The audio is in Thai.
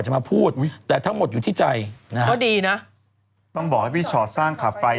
ไม่มีเหรอผมบอกหรอก